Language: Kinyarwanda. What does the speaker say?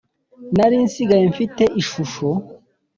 nari nsigaye mfite ishusho